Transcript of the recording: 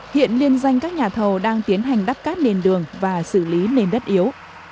hiện liên danh các nhà thầu đang tiến hành đắp cát nền đường và xử lý nền đất yếu